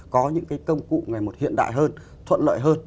có những cái công cụ ngày một hiện đại hơn thuận lợi hơn